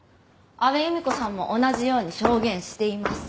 安部由美子さんも同じように証言しています。